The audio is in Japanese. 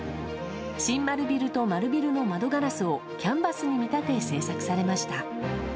新丸ビルと丸ビルの窓ガラスをキャンバスに見立て制作されました。